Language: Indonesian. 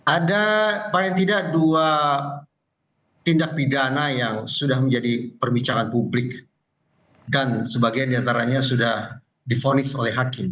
ada paling tidak dua tindak pidana yang sudah menjadi perbicaraan publik dan sebagian diantaranya sudah difonis oleh hakim